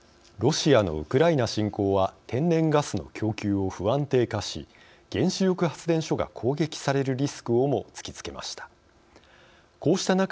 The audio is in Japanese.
ロシアのウクライナ侵攻は天然ガスの供給を不安定化し原子力発電所が攻撃されるリスクをも突きつけました。